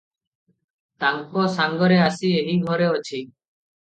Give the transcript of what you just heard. ତାଙ୍କ ସାଂଗରେ ଆସି ଏହି ଘରେ ଅଛି ।"